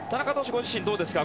ご自身はどうですか？